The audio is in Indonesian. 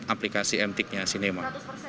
aplikasi m tiknya cinema